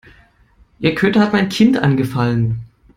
Ihr Köter hat mein Kind angefallen.